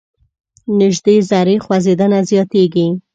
نژدې ذرې خوځیدنه زیاتیږي.